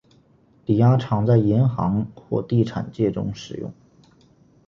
抵押常在银行或地产界中使用。